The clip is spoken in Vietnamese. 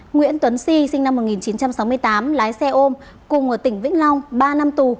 nguyễn tuấn sinh năm một nghìn chín trăm sáu mươi tám lái xe ôm cùng ở tỉnh vĩnh long ba năm tù